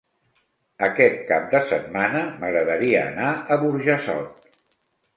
Aquest cap de setmana m'agradaria anar a Burjassot.